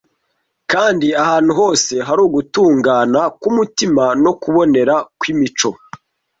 Kandi ahantu hose hari ugutungana k’umutima no kubonera kw’imico